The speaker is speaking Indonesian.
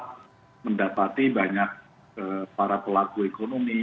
kita mendapati banyak para pelaku ekonomi